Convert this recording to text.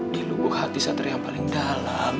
di lubuk hati satria yang paling dalam